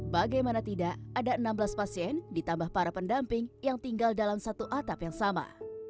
bagaimana tidak ada enam belas pasien ditambah para pendamping yang tinggal dalam satu atap yang sama